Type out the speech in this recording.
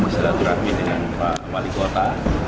silaturahmi dengan pak wali kota